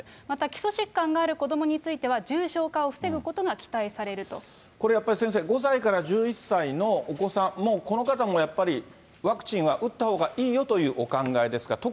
また、基礎疾患がある子どもについては重症化を防ぐことが期待さこれやっぱり先生、５歳から１１歳のお子さんも、もうこの方もやっぱりワクチンは打ったほうがいいよというお考えですか？